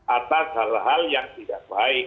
atas hal hal yang tidak baik